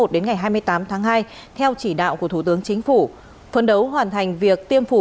đến ngày hai mươi tám tháng hai theo chỉ đạo của thủ tướng chính phủ phấn đấu hoàn thành việc tiêm phủ